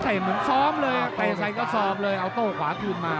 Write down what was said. เตะเหมือนซ้อมเลยเอาโต้ขวาถูกมา